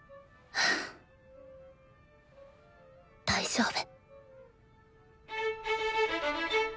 大丈夫。